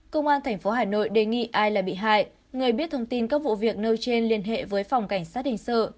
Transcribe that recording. công an tp hà nội đề nghị ai là bị hại người biết thông tin các vụ việc nêu trên liên hệ với phòng cảnh sát hình sự